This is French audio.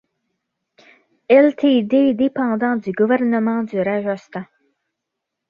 Ltd., dépendant du Gouvernement du Rajasthan.